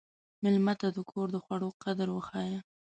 مېلمه ته د کور د خوړو قدر وښیه.